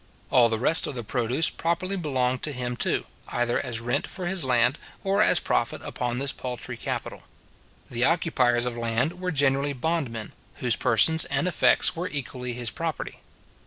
All the rest of the produce properly belonged to him too, either as rent for his land, or as profit upon this paltry capital. The occupiers of land were generally bond men, whose persons and effects were equally his property.